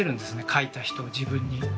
描いた人を自分に。